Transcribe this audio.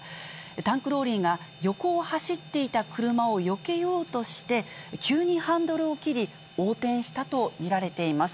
タンクローリーが横を走っていた車をよけようとして、急にハンドルを切り、横転したと見られています。